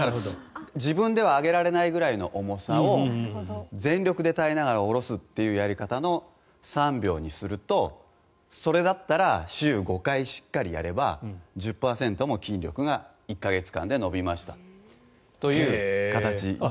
自分では上げられないくらいの重さを全力で耐えながら下ろすというやり方の３秒にするとそれだったら週５回しっかりやれば１０％も筋力が１か月間で伸びましたという形で。